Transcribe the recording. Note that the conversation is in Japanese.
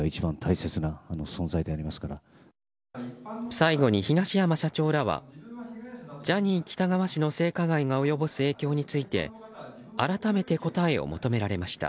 最後に東山社長らはジャニー喜多川氏の性加害が及ぼす影響について改めて答えを求められました。